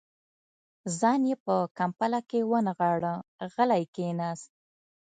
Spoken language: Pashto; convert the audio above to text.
ځان يې په کمپله کې ونغاړه، غلی کېناست.